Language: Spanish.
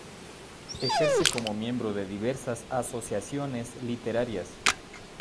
Ejerce como miembro de diversas asociaciones literarias.